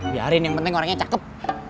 biarin yang penting orangnya cakep